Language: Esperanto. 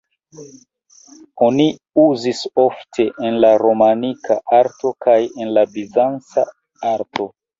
Oni uzis ofte en la romanika arto kaj en la bizanca arto.